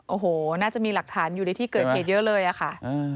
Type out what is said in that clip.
โอ้โหน่าจะมีหลักฐานอยู่ในที่เกิดเหตุเยอะเลยอะค่ะ